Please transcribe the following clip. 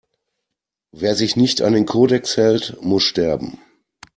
Wer sich nicht an den Kodex hält, muss sterben!